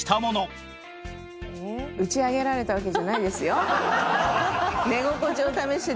「打ち上げられたわけじゃないですよ」